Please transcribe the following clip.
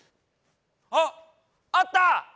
あっあった！